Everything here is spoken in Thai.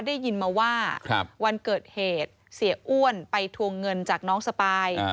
ได้ยินมาว่าวันเกิดเหตุเสียอ้วนไปทวงเงินจากน้องสปาย